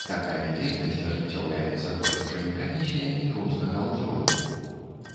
Такая дзейнасць ажыццяўляецца выбарчымі камісіямі рознага ўзроўню.